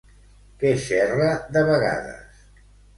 Què xerra de vegades?